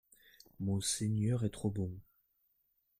Monseigneur est trop bon